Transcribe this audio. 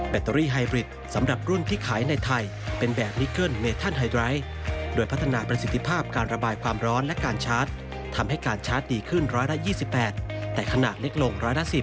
เตอรี่ไฮบริดสำหรับรุ่นที่ขายในไทยเป็นแบบนิเกิ้ลเมทันไฮไรทโดยพัฒนาประสิทธิภาพการระบายความร้อนและการชาร์จทำให้การชาร์จดีขึ้น๑๒๘แต่ขนาดเล็กลงร้อยละ๑๐